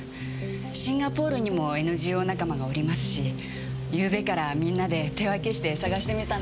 シンガポールにもＮＧＯ仲間がおりますし昨夜からみんなで手分けして探してみたんです。